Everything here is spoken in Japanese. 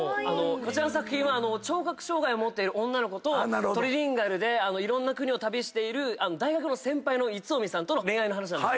こちらの作品は聴覚障害を持っている女の子とトリリンガルでいろんな国を旅している大学の先輩の逸臣さんとの恋愛の話なんです。